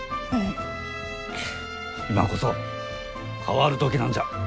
今こそ変わる時なんじゃ。